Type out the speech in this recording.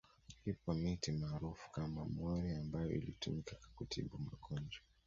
Ipo miti maarufu kama mwori ambayo ilitumika kutibu magonjwa